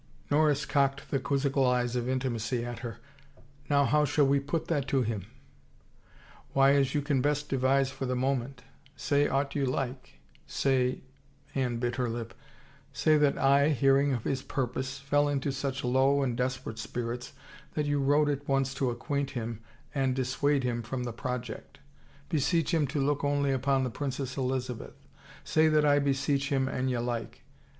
Norris cocked the quizzical eyes of intimacy at her. " Now how shall we put that to him ?" "Why as you can best devise for the moment. Say aught you like. Say "— Anne bit her lip —" say that I, hearing of his purpose, fell into such low and desper ate spirits that you rode at once to acquaint him and dissuade him from the project. Beseech him to look only upon the Princess Elizabeth. Say that I beseech him an ye like.